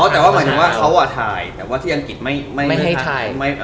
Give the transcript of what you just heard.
แต่ว่าหมายถึงว่าเขาถ่ายแต่ว่าที่อังกฤษไม่ถ่าย